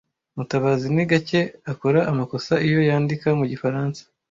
Mutabazi ni gake akora amakosa iyo yandika mu gifaransa.